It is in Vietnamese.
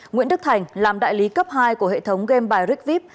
nguyễn đức thành làm đại lý cấp hai của hệ thống game bài rick vip